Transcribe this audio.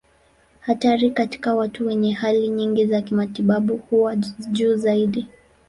Hatari katika watu wenye hali nyingi za kimatibabu huwa juu zaidi.